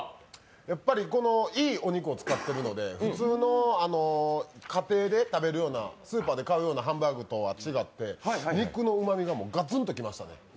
やっぱりいいお肉を使っているので、普通の家庭で食べるようなスーパーで買うようなハンバーグとは違って、肉のうまみがガツンと来ましたね。